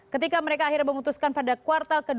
ketika mereka akhirnya memutuskan pada kuartal ke dua